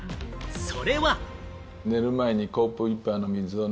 それは。